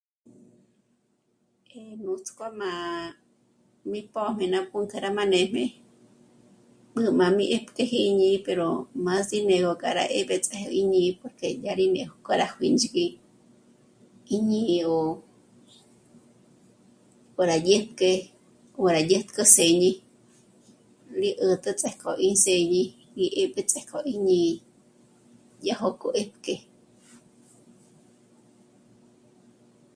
Ehh... nutsko má mi pjòmé na pjúnkü rá ma nem'e b'ü mami dyépkeji jñí pero mas dinero k'a rá 'äb'äts'ëbi jñi porke dya rí ne'o ko ra jwíntsb'i í ñí'i 'o pò rá ye'ke ó rá yèt'kö séñi li 'ätä tsjak'o í säb'i í 'ä́tä tsja k'o í ñí yajoko 'e'ke